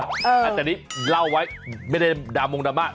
หลักแต่นี้เล่าไว้ไม่ได้ดามองค์ราม่า